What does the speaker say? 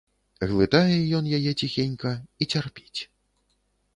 Глытае ён яе ціхенька і цярпіць.